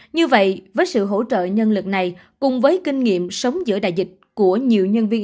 như vậy với sự hỗ trợ nhân lực này cùng với kinh nghiệm sống giữa đại dịch của nhiều nhân viên